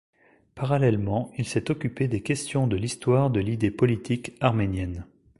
Parallèlement il s’est occupé des questions de l’histoire de l’idée politique arménienne.